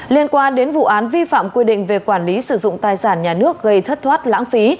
liên quan đến vụ án vi phạm quy định về quản lý sử dụng tài sản nhà nước gây thất thoát lãng phí